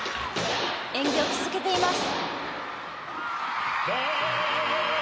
演技を続けています。